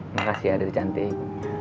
makasih ya dut cantik